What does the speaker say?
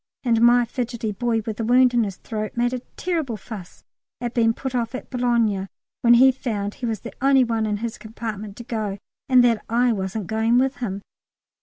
And my fidgety boy with the wound in his throat made a terrible fuss at being put off at Boulogne when he found he was the only one in his compartment to go and that I wasn't going with him.